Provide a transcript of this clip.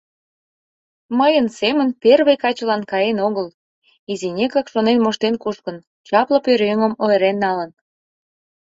Мыйын семын первый качылан каен огыл, изинекак шонен моштен кушкын, чапле пӧръеҥым ойырен налын».